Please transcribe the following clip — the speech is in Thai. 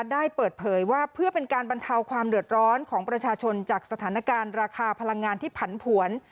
ได้เปิดเผยว่าเพื่อเป็นการบรรเทาความเดือดร้อนของประชาชนจากสถานการณ์ราคาพลังงานที่ผันผวน